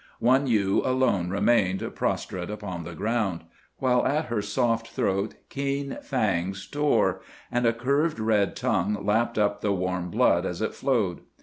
One ewe alone remained, prostrate upon the ground, while at her soft throat keen fangs tore, and a curved red tongue lapped up the warm blood as it flowed.